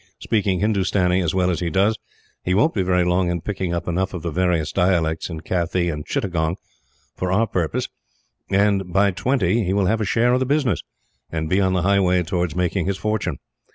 Speaking Hindustani as well as he does, he won't be very long in picking up enough of the various dialects in Kathee and Chittagong for our purpose and, by twenty, he will have a share of the business, and be on the highway towards making his fortune.